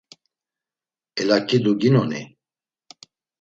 Elaǩidu ginoni?